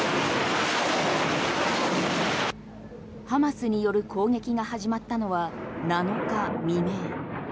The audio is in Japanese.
ハマスによる攻撃が始まったのは７日未明。